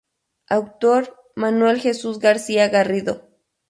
Autor: Manuel Jesús García Garrido.